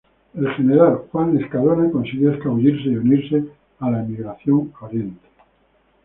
El general Juan Escalona consiguió escabullirse y unirse a la Emigración a Oriente.